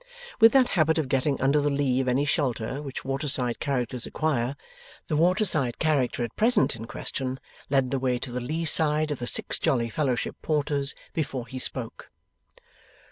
With that habit of getting under the lee of any shelter which waterside characters acquire, the waterside character at present in question led the way to the leeside of the Six Jolly Fellowship Porters before he spoke.